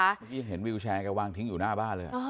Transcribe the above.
เมื่อกี้เห็นวิวแชร์แกวางทิ้งอยู่หน้าบ้านเลย